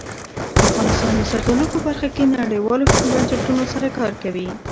افغانستان د زردالو په برخه کې نړیوالو بنسټونو سره کار کوي.